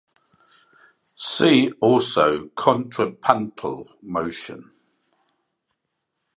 See also contrapuntal motion.